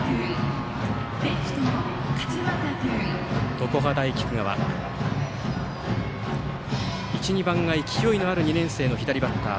常葉大菊川は１、２番が勢いのある２年生の左バッター。